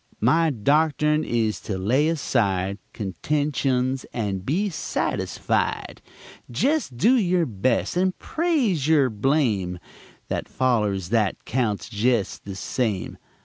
My doctern is to lay aside Contensions, and be satisfied: Jest do your best, and praise er blame That follers that, counts jest the same.